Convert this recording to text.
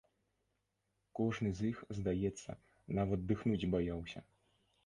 Кожны з іх, здаецца, нават дыхнуць баяўся.